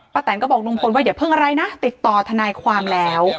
แตนก็บอกลุงพลว่าอย่าเพิ่งอะไรนะติดต่อทนายความแล้ว